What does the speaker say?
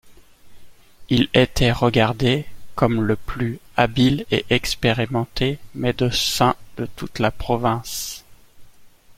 Il était regardé comme le plus habile et expérimenté médecin de toute la province.